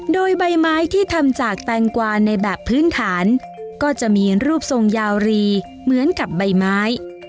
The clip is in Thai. โดยใบไม้ที่ทำจากแตงกวาในแบบพื้นฐานก็จะมีรูปทรงยาวรีเหมือนกับใบไม้